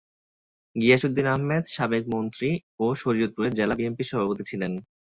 গিয়াস উদ্দিন আহমেদ সাবেক মন্ত্রী ও শরীয়তপুর জেলা বিএনপির সভাপতি ছিলেন।